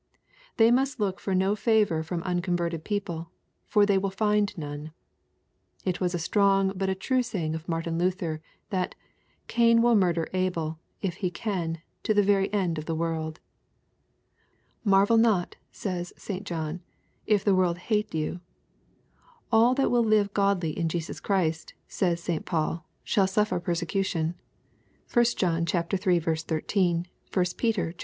They must look for no favor from unconverted people, for they will find none. It was a strong but a true saying of Martin Luther, that '^ Cain will murder Abel, if he can, to the very end of the world.'' • Mar vel not," says St. John, " if the world hate you." " All that will live godly in Jesus Christ," says St. Paul, '^ shall suffer persecution." (1 Johniii. 13 ; 1 Pet. iii.